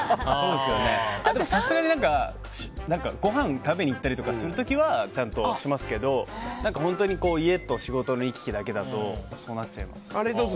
あと、さすがにごはん食べに行ったりとかする時はちゃんとしますけど本当に家と仕事の行き来だけだとそうなっちゃいます。